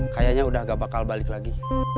kayaknya udah gak bakal balik lagi